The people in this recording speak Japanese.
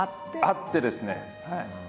あってですね。